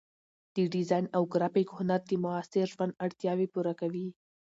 د ډیزاین او ګرافیک هنر د معاصر ژوند اړتیاوې پوره کوي.